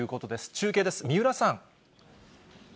中継です、三浦さん。